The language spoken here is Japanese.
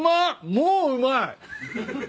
もううまい。